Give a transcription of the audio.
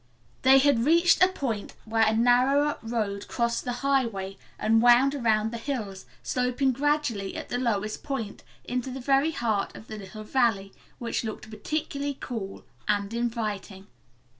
They had reached a point where a narrower road crossed the highway and wound around the hills, sloping gradually at the lowest point, into the very heart of the little valley, which looked particularly cool and inviting.